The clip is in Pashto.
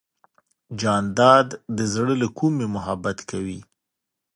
جانداد د زړه له کومې محبت کوي.